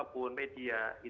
tentu akan keberadaan